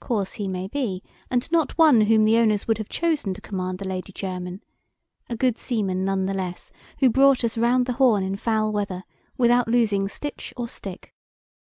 Coarse he may be, and not one whom the owners would have chosen to command the Lady Jermyn; a good seaman none the less, who brought us round the Horn in foul weather without losing stitch or stick.